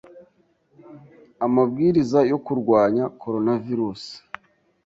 amabwiriza yo kurwanya Koronavirusi